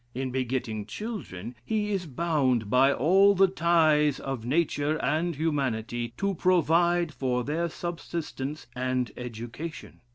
In begetting children, he is bound, by all the ties of nature and humanity, to provide for their subsistence and education.